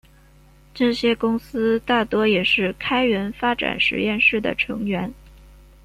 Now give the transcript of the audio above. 这些公司大多也是开源发展实验室的成员。